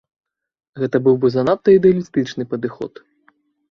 Гэта быў бы занадта ідэалістычны падыход.